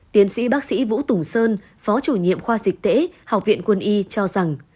tiến sĩ bác sĩ vũ tùng sơn phó chủ nhiệm khoa dịch tễ học viện quân y cho rằng